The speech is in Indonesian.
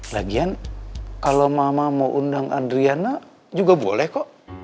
lagian kalau mama mau undang adriana juga boleh kok